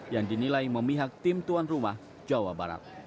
yang dinilai memihak tim tuan rumah jawa barat